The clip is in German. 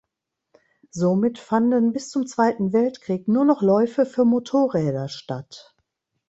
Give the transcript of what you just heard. Somit fanden bis zum Zweiten Weltkrieg nur noch Läufe für Motorräder statt.